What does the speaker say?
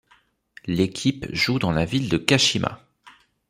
L'équipe joue dans la ville de Kashima.